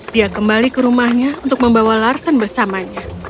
dia kembali ke rumahnya untuk membawa larsen bersamanya